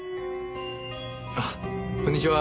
あっこんにちは。